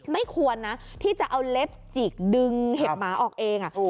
ไม่ควรนะที่จะเอาเล็บจิกดึงเห็บหมาออกเอง